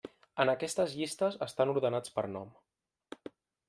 En aquestes llistes estan ordenats per nom.